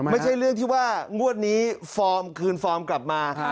ไม่ใช่เรื่องที่ว่างวดนี้ฟอร์มคืนฟอร์มกลับมา